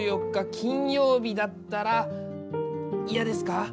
金曜日だったら嫌ですか？